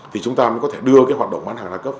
thì chúng ta mới có thể đưa cái hoạt động bán hàng đa cấp